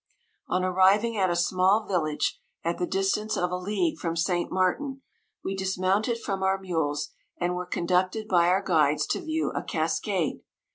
On arriving at a small village, at the distance of a league from St. Martin, we dismounted from our mules, and were conducted by our guides to view a cascade.